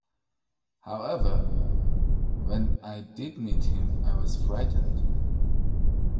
However, when I did meet him I was frightened.